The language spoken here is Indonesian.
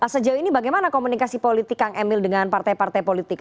sejauh ini bagaimana komunikasi politik kang emil dengan partai partai politik